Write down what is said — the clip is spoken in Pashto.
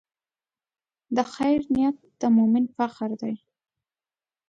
د خیر نیت د مؤمن فخر دی.